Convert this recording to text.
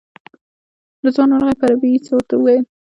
رضوان ورغی په عربي یې څه ورته وویل.